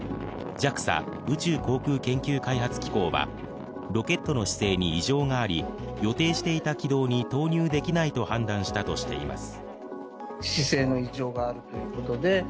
ＪＡＸＡ＝宇宙航空研究開発機構は、ロケットの姿勢に異常があり、予定していた軌道に投入できないと判断したとしています。